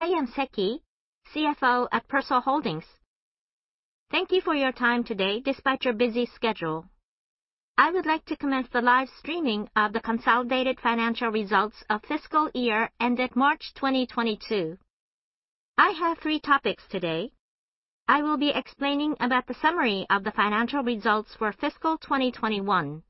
I am Seki, CFO at Persol Holdings. Thank you for your time today despite your busy schedule. I would like to commence the live streaming of the consolidated financial results of fiscal year ended March 2022. I have three topics today. I will be explaining about the summary of the financial results for fiscal 2021.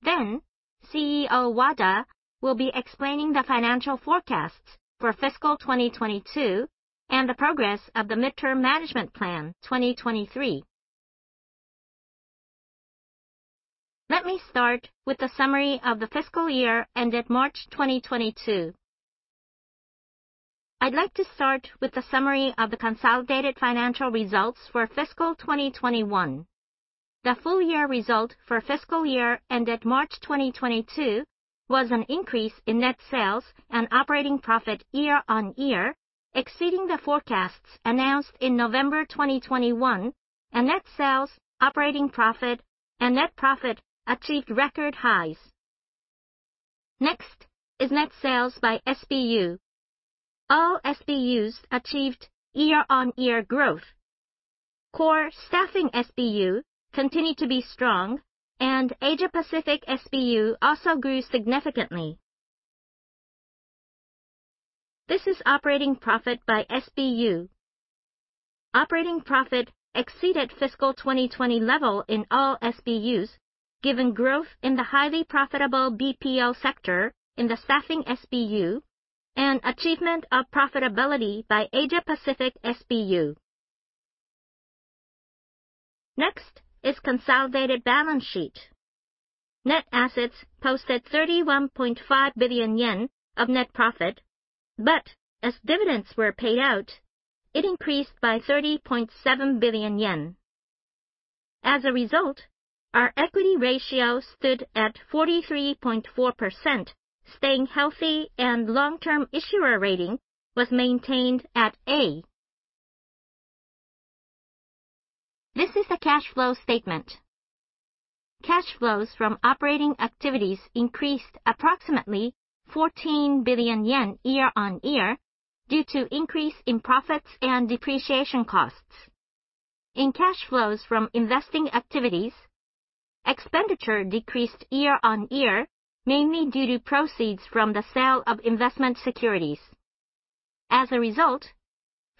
Then CEO Wada will be explaining the financial forecasts for fiscal 2022 and the progress of the Mid-term Management Plan 2023. Let me start with the summary of the fiscal year ended March 2022. I'd like to start with the summary of the consolidated financial results for fiscal 2021. The full year result for fiscal year ended March 2022 was an increase in net sales and operating profit year-on-year, exceeding the forecasts announced in November 2021, and net sales, operating profit, and net profit achieved record highs. Next is net sales by SBU. All SBUs achieved year-on-year growth. Core staffing SBU continued to be strong and Asia Pacific SBU also grew significantly. This is operating profit by SBU. Operating profit exceeded fiscal 2020 level in all SBUs, given growth in the highly profitable BPO sector in the staffing SBU and achievement of profitability by Asia Pacific SBU. Next is consolidated balance sheet. Net assets posted 31.5 billion yen of net profit, but as dividends were paid out, it increased by 30.7 billion yen. As a result, our equity ratio stood at 43.4%, staying healthy and long-term issuer rating was maintained at A. This is a cash flow statement. Cash flows from operating activities increased approximately 14 billion yen year-on-year due to increase in profits and depreciation costs. In cash flows from investing activities, expenditure decreased year-on-year, mainly due to proceeds from the sale of investment securities. As a result,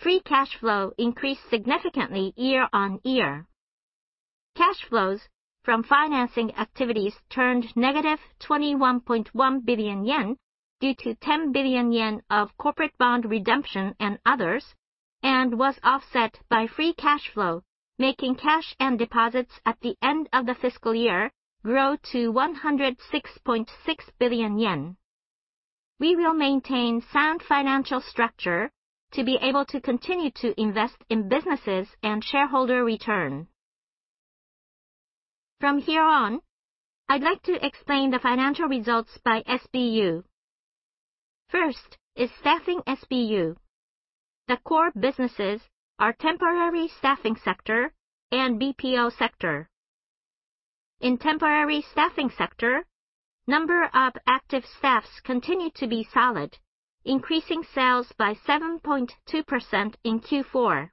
free cash flow increased significantly year-on-year. Cash flows from financing activities turned negative 21.1 billion yen due to 10 billion yen of corporate bond redemption and others, and was offset by free cash flow, making cash and deposits at the end of the fiscal year grow to 106.6 billion yen. We will maintain sound financial structure to be able to continue to invest in businesses and shareholder return. From here on, I'd like to explain the financial results by SBU. First is Staffing SBU. The core businesses are temporary staffing sector and BPO sector. In temporary staffing sector, number of active staffs continued to be solid, increasing sales by 7.2% in Q4.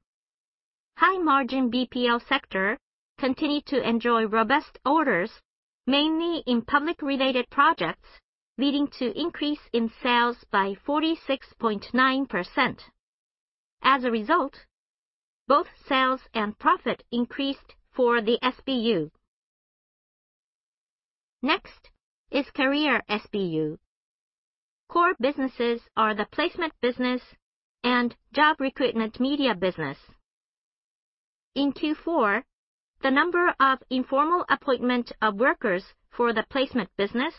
High-margin BPO sector continued to enjoy robust orders, mainly in public-related projects, leading to increase in sales by 46.9%. As a result, both sales and profit increased for the SBU. Next is Career SBU. Core businesses are the placement business and job recruitment media business. In Q4, the number of informal appointment of workers for the placement business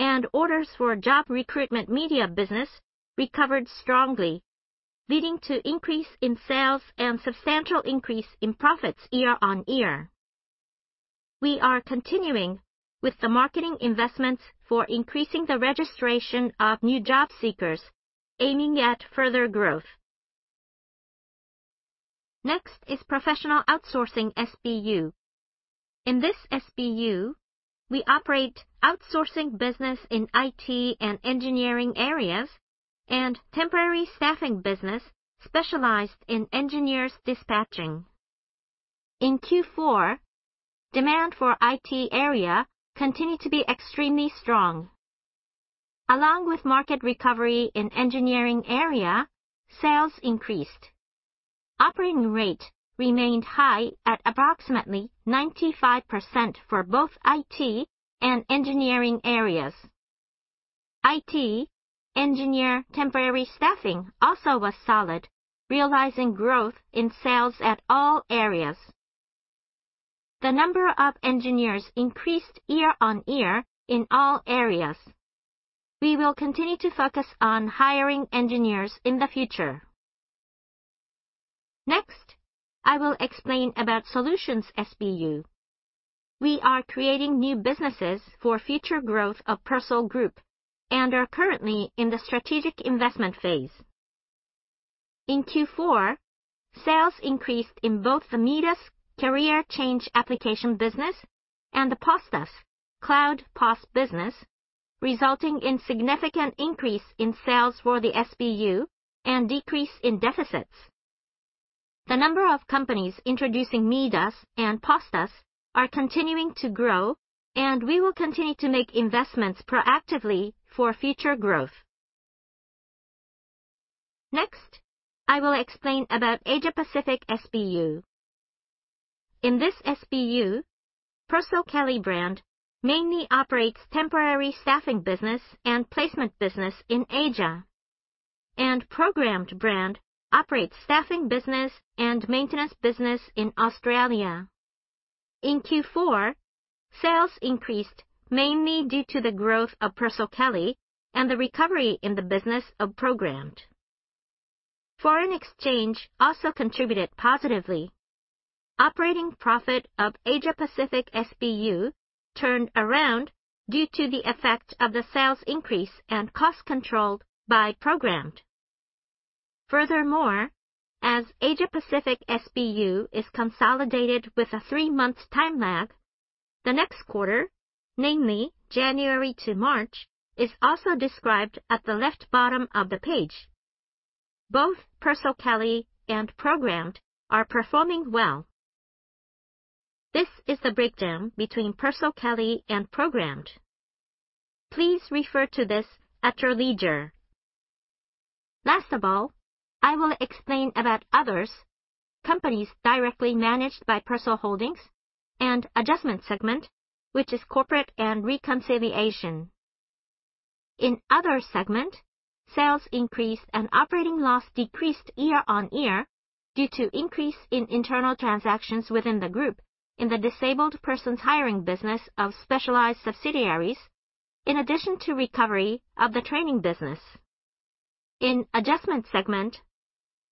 and orders for job recruitment media business recovered strongly, leading to increase in sales and substantial increase in profits year-on-year. We are continuing with the marketing investments for increasing the registration of new job seekers aiming at further growth. Next is Professional Outsourcing SBU. In this SBU, we operate outsourcing business in IT and engineering areas and temporary staffing business specialized in engineers dispatching. In Q4, demand for IT area continued to be extremely strong. Along with market recovery in engineering area, sales increased. Operating rate remained high at approximately 95% for both IT and engineering areas. IT engineer temporary staffing also was solid, realizing growth in sales at all areas. The number of engineers increased year-on-year in all areas. We will continue to focus on hiring engineers in the future. Next, I will explain about Solution SBU. We are creating new businesses for future growth of Persol Group and are currently in the strategic investment phase. In Q4, sales increased in both the MIIDAS career change application business and the POS+ cloud PaaS business, resulting in significant increase in sales for the SBU and decrease in deficits. The number of companies introducing MIIDAS and POS+ are continuing to grow, and we will continue to make investments proactively for future growth. Next, I will explain about Asia Pacific SBU. In this SBU, PERSOLKELLY brand mainly operates temporary staffing business and placement business in Asia. Programmed brand operates staffing business and maintenance business in Australia. In Q4, sales increased mainly due to the growth of PERSOLKELLY and the recovery in the business of Programmed. Foreign exchange also contributed positively. Operating profit of Asia Pacific SBU turned around due to the effect of the sales increase and cost controlled by Programmed. Furthermore, as Asia Pacific SBU is consolidated with a three-month time lag, the next quarter, namely January to March, is also described at the left bottom of the page. Both PERSOLKELLY and Programmed are performing well. This is the breakdown between PERSOLKELLY and Programmed. Please refer to this at your leisure. Last of all, I will explain about others, companies directly managed by Persol Holdings and adjustment segment, which is corporate and reconciliation. In other segment, sales increased and operating loss decreased year-on-year due to increase in internal transactions within the group in the disabled persons hiring business of specialized subsidiaries, in addition to recovery of the training business. In adjustment segment,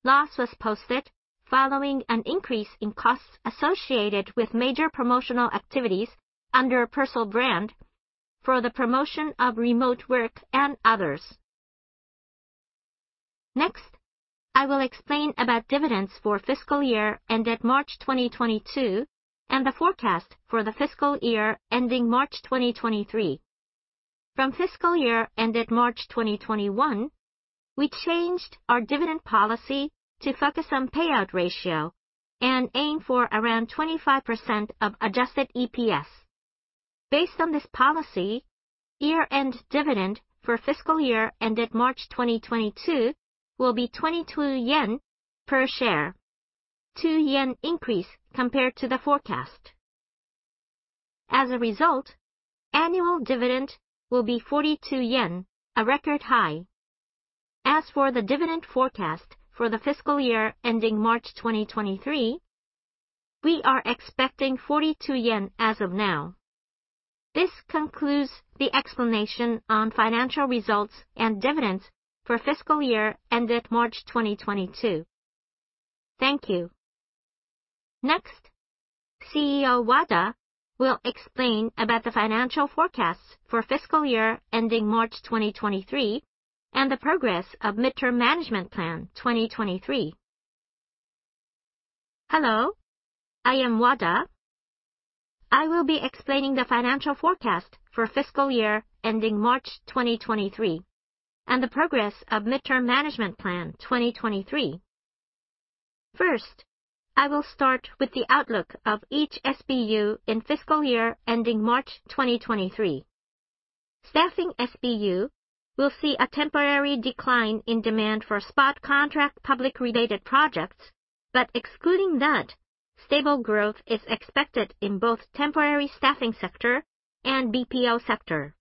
loss was posted following an increase in costs associated with major promotional activities under Persol brand for the promotion of remote work and others. Next, I will explain about dividends for fiscal year ended March 2022, and the forecast for the fiscal year ending March 2023. From fiscal year ended March 2021, we changed our dividend policy to focus on payout ratio and aim for around 25% of adjusted EPS. Based on this policy, year-end dividend for fiscal year ended March 2022 will be 22 yen per share, 2 yen increase compared to the forecast. As a result, annual dividend will be 42 yen, a record high. As for the dividend forecast for the fiscal year ending March 2023, we are expecting 42 yen as of now. This concludes the explanation on financial results and dividends for fiscal year ended March 2022. Thank you. Next, CEO Wada will explain about the financial forecast for fiscal year ending March 2023 and the progress of Mid-term Management Plan 2023. Hello, I am Wada. I will be explaining the financial forecast for fiscal year ending March 2023 and the progress of Mid-term Management Plan 2023. First, I will start with the outlook of each SBU in fiscal year ending March 2023. Staffing SBU will see a temporary decline in demand for spot contract public related projects, but excluding that, stable growth is expected in both temporary staffing sector and BPO sector.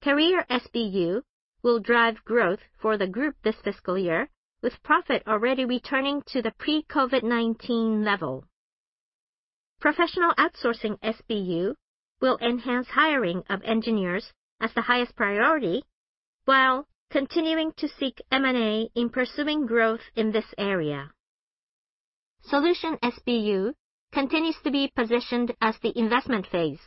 Career SBU will drive growth for the group this fiscal year with profit already returning to the pre-COVID-19 level. Professional Outsourcing SBU will enhance hiring of engineers as the highest priority while continuing to seek M&A in pursuing growth in this area. Solution SBU continues to be positioned as the investment phase.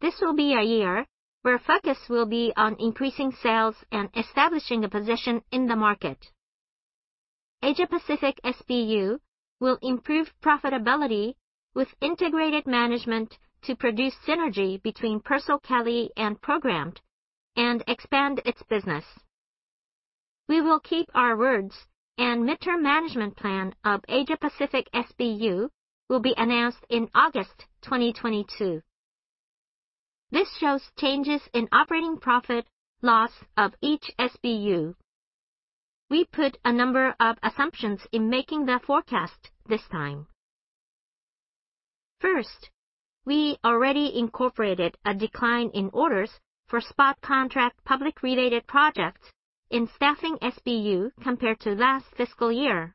This will be a year where focus will be on increasing sales and establishing a position in the market. Asia Pacific SBU will improve profitability with integrated management to produce synergy between PERSOLKELLY and Programmed and expand its business. We will keep our words, and Mid-term Management Plan of Asia Pacific SBU will be announced in August 2022. This shows changes in operating profit/loss of each SBU. We put a number of assumptions in making the forecast this time. First, we already incorporated a decline in orders for spot contract public related projects in Staffing SBU compared to last fiscal year.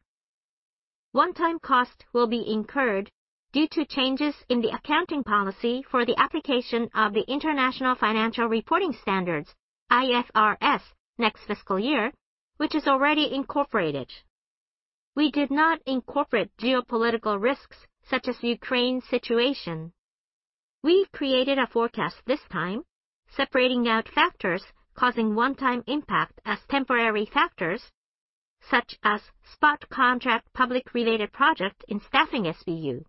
One-time cost will be incurred due to changes in the accounting policy for the application of the International Financial Reporting Standards, IFRS, next fiscal year, which is already incorporated. We did not incorporate geopolitical risks such as Ukraine situation. We've created a forecast this time separating out factors causing one-time impact as temporary factors, such as spot contract public related project in Staffing SBU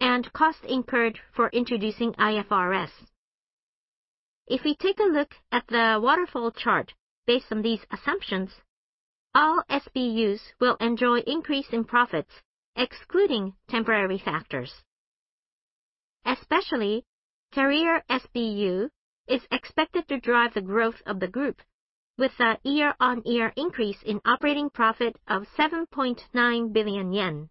and cost incurred for introducing IFRS. If we take a look at the waterfall chart based on these assumptions, all SBUs will enjoy increase in profits excluding temporary factors. Especially, Career SBU is expected to drive the growth of the group with a year-on-year increase in operating profit of 7.9 billion yen.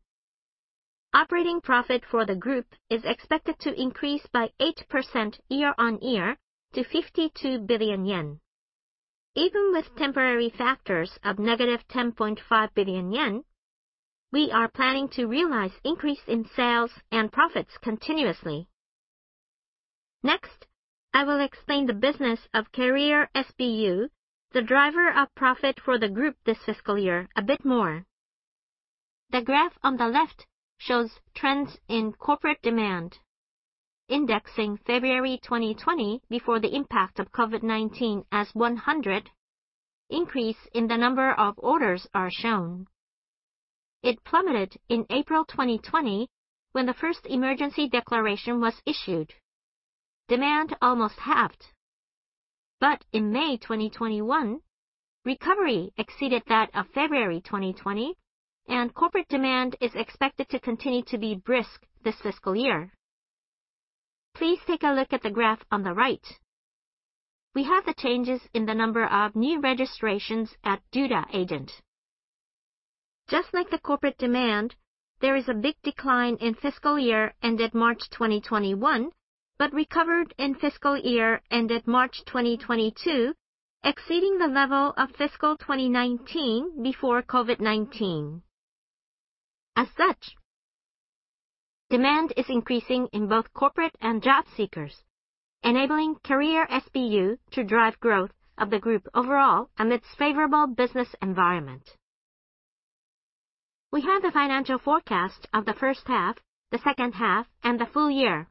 Operating profit for the group is expected to increase by 8% year-on-year to 52 billion yen. Even with temporary factors of -10.5 billion yen, we are planning to realize increase in sales and profits continuously. Next, I will explain the business of Career SBU, the driver of profit for the group this fiscal year a bit more. The graph on the left shows trends in corporate demand. Indexing February 2020 before the impact of COVID-19 as 100, increase in the number of orders are shown. It plummeted in April 2020 when the first emergency declaration was issued. Demand almost halved. In May 2021, recovery exceeded that of February 2020, and corporate demand is expected to continue to be brisk this fiscal year. Please take a look at the graph on the right. We have the changes in the number of new registrations at doda Agent. Just like the corporate demand, there is a big decline in fiscal year ended March 2021, but recovered in fiscal year ended March 2022, exceeding the level of fiscal 2019 before COVID-19. As such, demand is increasing in both corporate and job seekers, enabling Career SBU to drive growth of the group overall amidst favorable business environment. We have the financial forecast of the first half, the second half, and the full year.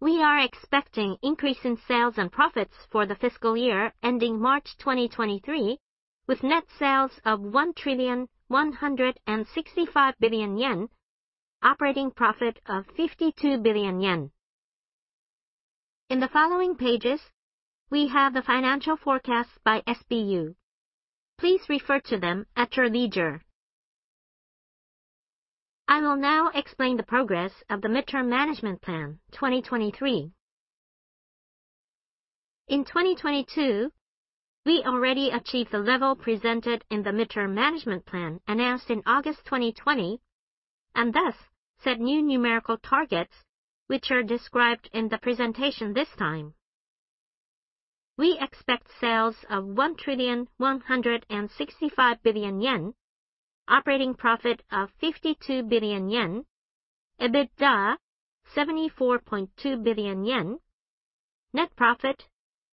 We are expecting increase in sales and profits for the fiscal year ending March 2023 with net sales of 1,165 billion yen, operating profit of 52 billion yen. In the following pages, we have the financial forecasts by SBU. Please refer to them at your leisure. I will now explain the progress of the Mid-term Management Plan 2023. In 2022, we already achieved the level presented in the Mid-term Management Plan announced in August 2020 and thus set new numerical targets which are described in the presentation this time. We expect sales of 1,165 billion yen, operating profit of 52 billion yen, EBITDA 74.2 billion yen, net profit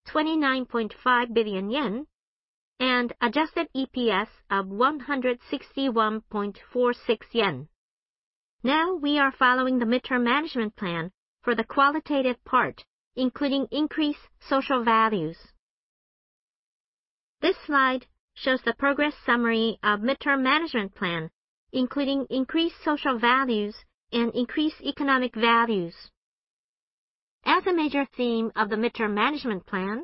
29.5 billion yen, and adjusted EPS of 161.46 yen. Now, we are following the Mid-term Management Plan for the qualitative part, including increase social values. This slide shows the progress summary of Mid-term Management Plan, including increased social values and increased economic values. As a major theme of the Mid-term Management Plan,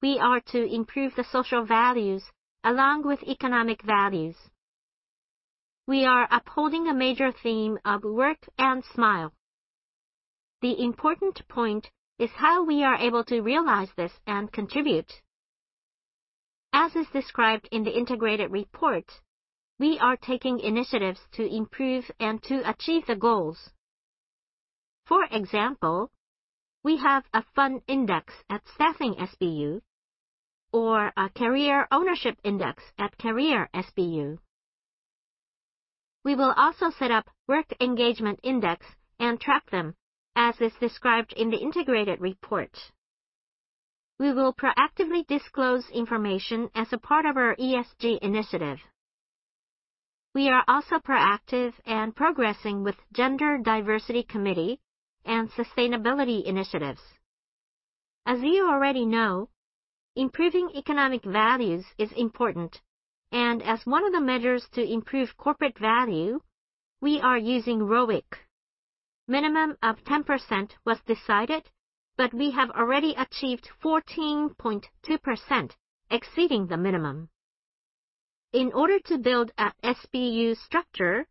we are to improve the social values along with economic values. We are upholding a major theme of Work and Smile. The important point is how we are able to realize this and contribute. As is described in the integrated report, we are taking initiatives to improve and to achieve the goals. For example, we have a fun index at Staffing SBU or a career ownership index at Career SBU. We will also set up work engagement index and track them as is described in the integrated report. We will proactively disclose information as a part of our ESG initiative. We are also proactive and progressing with Gender Diversity Committee and sustainability initiatives. As you already know, improving economic values is important and as one of the measures to improve corporate value, we are using ROIC. Minimum of 10% was decided, but we have already achieved 14.2%, exceeding the minimum. In order to build an SBU structure,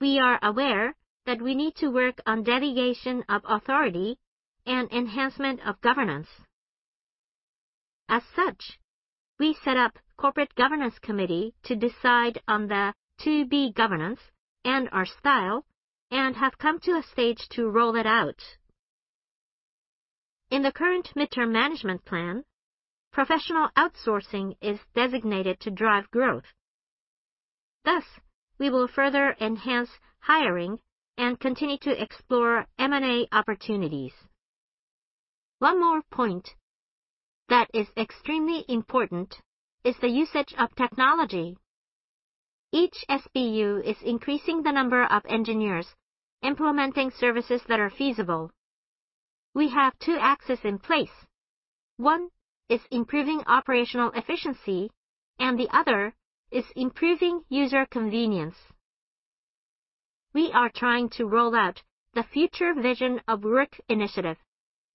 we are aware that we need to work on delegation of authority and enhancement of governance. As such, we set up Corporate Governance Committee to decide on the to-be governance and our style and have come to a stage to roll it out. In the current mid-term management plan, Professional Outsourcing is designated to drive growth. Thus, we will further enhance hiring and continue to explore M&A opportunities. One more point that is extremely important is the usage of technology. Each SBU is increasing the number of engineers implementing services that are feasible. We have two axes in place. One is improving operational efficiency, and the other is improving user convenience. We are trying to roll out the future vision of work initiative,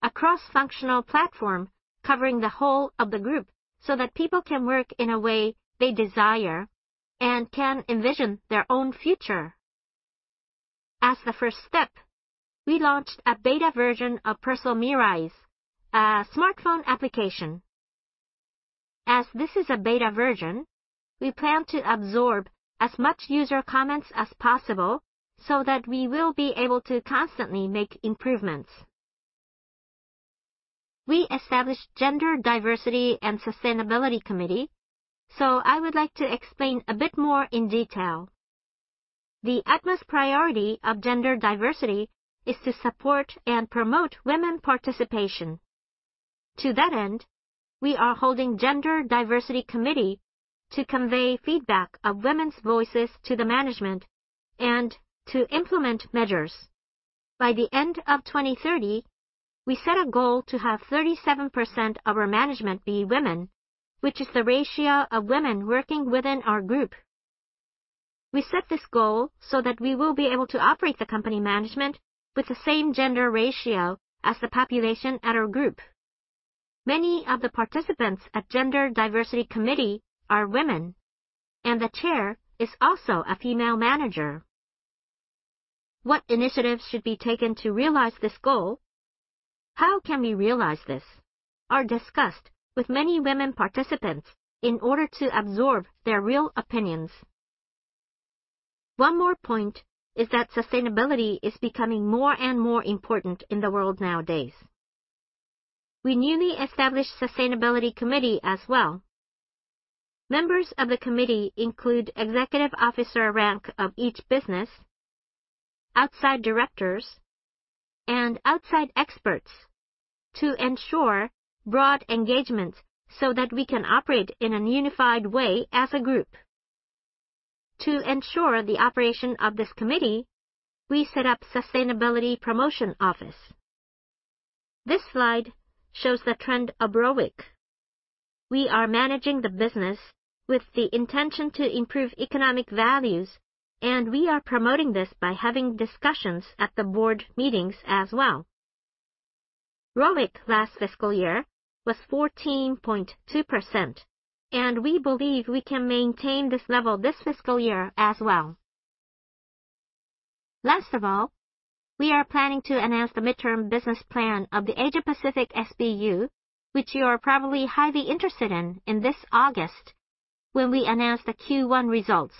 a cross-functional platform covering the whole of the group, so that people can work in a way they desire and can envision their own future. As the first step, we launched a beta version of PERSOL MIRAIZ, a smartphone application. As this is a beta version, we plan to absorb as much user comments as possible so that we will be able to constantly make improvements. We established Gender Diversity and Sustainability Committee, so I would like to explain a bit more in detail. The utmost priority of gender diversity is to support and promote women's participation. To that end, we are holding Gender Diversity Committee to convey feedback of women's voices to the management and to implement measures. By the end of 2030, we set a goal to have 37% of our management be women, which is the ratio of women working within our group. We set this goal so that we will be able to operate the company management with the same gender ratio as the population at our group. Many of the participants at Gender Diversity Committee are women, and the chair is also a female manager. What initiatives should be taken to realize this goal? How can we realize this? Are discussed with many women participants in order to absorb their real opinions. One more point is that sustainability is becoming more and more important in the world nowadays. We newly established Sustainability Committee as well. Members of the committee include executive officer rank of each business, outside directors, and outside experts to ensure broad engagement so that we can operate in a unified way as a group. To ensure the operation of this committee, we set up Sustainability Promotion Office. This slide shows the trend of ROIC. We are managing the business with the intention to improve economic values, and we are promoting this by having discussions at the board meetings as well. ROIC last fiscal year was 14.2%, and we believe we can maintain this level this fiscal year as well. Last of all, we are planning to announce the midterm business plan of the Asia Pacific SBU, which you are probably highly interested in this August, when we announce the Q1 results.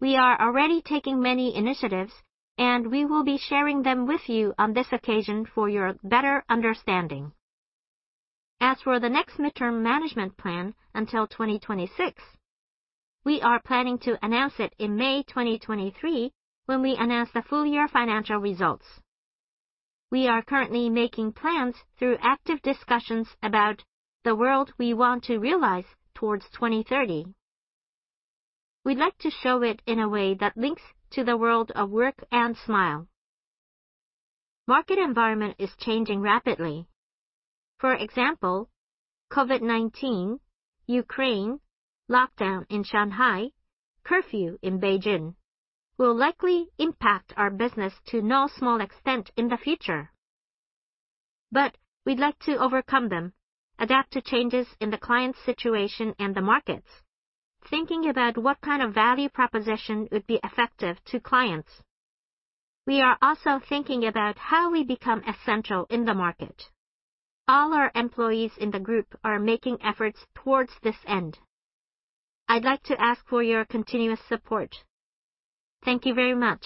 We are already taking many initiatives, and we will be sharing them with you on this occasion for your better understanding. As for the next mid-term management plan until 2026, we are planning to announce it in May 2023 when we announce the full year financial results. We are currently making plans through active discussions about the world we want to realize towards 2030. We'd like to show it in a way that links to the world of Work and Smile. Market environment is changing rapidly. For example, COVID-19, Ukraine, lockdown in Shanghai, curfew in Beijing, will likely impact our business to no small extent in the future. We'd like to overcome them, adapt to changes in the clients' situation and the markets, thinking about what kind of value proposition would be effective to clients. We are also thinking about how we become essential in the market. All our employees in the group are making efforts towards this end. I'd like to ask for your continuous support. Thank you very much.